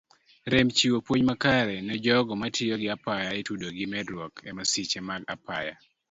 Rem chiwo puonj makare nejogo matiyo gi apaya itudo gi medruok emasiche mag apaya.